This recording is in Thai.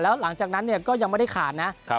แล้วหลังจากนั้นก็ยังไม่ได้ขาดนะ